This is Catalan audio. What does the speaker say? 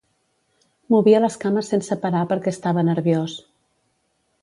Movia les cames sense parar perquè estava nerviós.